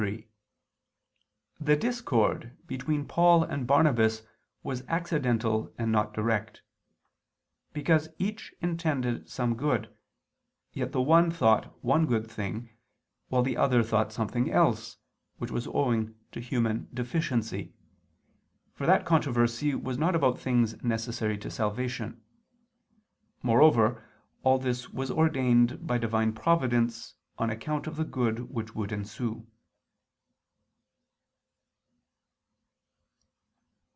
3: The discord between Paul and Barnabas was accidental and not direct: because each intended some good, yet the one thought one thing good, while the other thought something else, which was owing to human deficiency: for that controversy was not about things necessary to salvation. Moreover all this was ordained by Divine providence, on account of the good which would ensue.